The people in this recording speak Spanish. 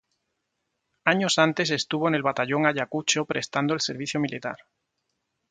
Años antes estuvo en el Batallón Ayacucho prestando el servicio militar.